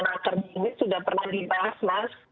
kalau lancaran permenaker ini sudah pernah dibahas mas